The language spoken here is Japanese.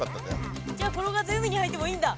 じゃあ転がって海に入ってもいいんだ？